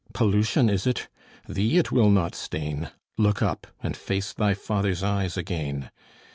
Pollution, is it? Thee it will not stain. Look up, and face thy Father's eyes again!